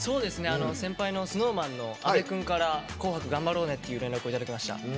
先輩のＳｎｏｗＭａｎの阿部君から「紅白」頑張ろうねって連絡をいただきました。